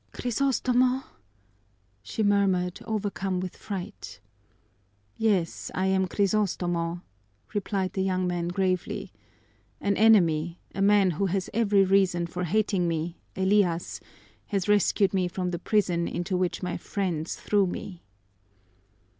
"Crisostomo!" she murmured, overcome with fright. "Yes, I am Crisostomo," replied the young man gravely. "An enemy, a man who has every reason for hating me, Elias, has rescued me from the prison into which my friends threw me."